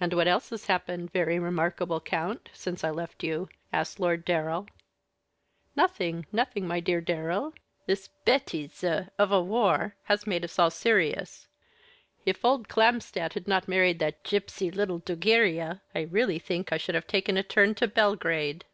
"And what else has happened very remarkable, count, since I left you?" asked Lord Darrell. "Nothing, nothing, my dear Darrell. This bêtise of a war has made us all serious. If old Clamstandt had not married that gipsy little Dugiria, I really think I should have taken a turn to Belgrade."